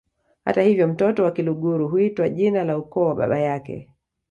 Hata hivyo mtoto wa Kiluguru huitwa jina la ukoo wa baba yake